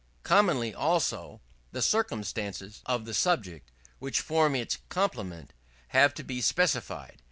Commonly, also, the circumstances of the subject, which form its complement, have to be specified.